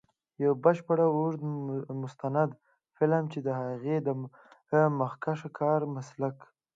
یو بشپړ اوږد مستند فلم، چې د هغې د مخکښ کاري مسلک.